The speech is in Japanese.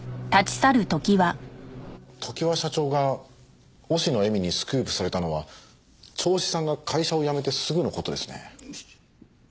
常盤社長が忍野絵美にスクープされたのは銚子さんが会社を辞めてすぐの事ですね。